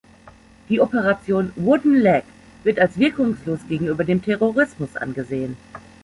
Die Operation „Wooden Leg“ wird als wirkungslos gegenüber dem Terrorismus angesehen.